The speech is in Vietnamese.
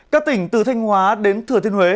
các tỉnh từ thanh hóa đến thừa thịnh